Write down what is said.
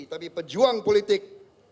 tapi pejuang politik